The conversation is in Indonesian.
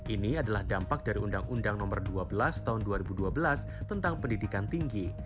ini adalah dampak dari undang undang nomor dua belas tahun dua ribu dua belas tentang pendidikan tinggi